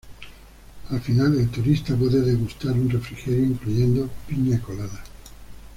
Al final el turista puede degustar un refrigerio incluyendo piña colada.